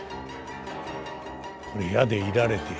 これ矢で射られて。